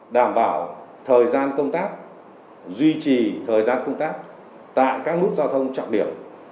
đảm bảo thời gian công tác duy trì thời gian công tác tại các nút giao thông trọng điểm